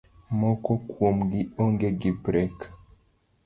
Moko kuomgi onge gi brek